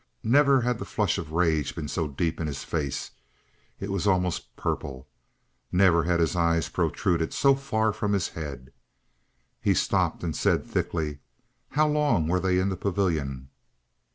Never had the flush of rage been so deep in his face. It was almost purple. Never had his eyes protruded so far from his head. He stopped and said thickly: "How long were they in the pavilion?"